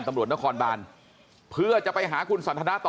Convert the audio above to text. ตำรวจนครบานเพื่อจะไปหาคุณสันทนาต่อ